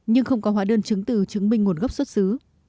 nhưng không có hóa đơn chứng từ chứng minh nguồn gốc xuất xứ